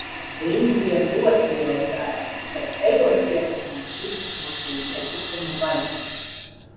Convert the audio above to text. Viņš bija ļoti liels dzērājs, bet Egles ietekmē ticis no šī netikuma vaļā.